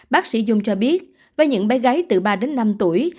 bác sĩ dung cho biết với những bé gái từ ba đến năm tuổi